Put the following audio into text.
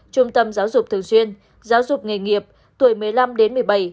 trung tâm giáo dục thường xuyên giáo dục nghề nghiệp tuổi một mươi năm đến một mươi bảy